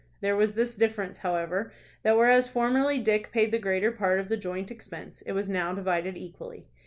There was this difference, however, that whereas formerly Dick paid the greater part of the joint expense it was now divided equally.